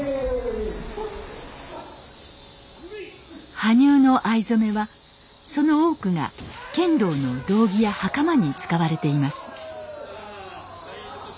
羽生の藍染めはその多くが剣道の胴着やはかまに使われています。